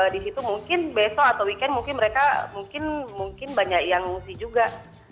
di situ mungkin besok atau weekend mungkin mereka mungkin banyak yang ngungsi juga